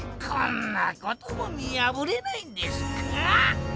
こんなことも見やぶれないんですか